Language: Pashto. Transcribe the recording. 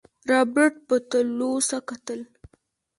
رابرټ په تلوسه کتل.